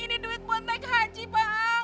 ini duit buat naik haji pak